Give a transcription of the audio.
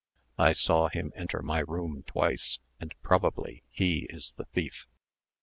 I saw him enter my room twice, and probably he is the thief."